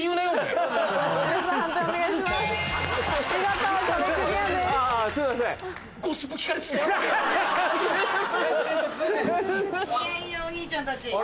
お兄ちゃんたち。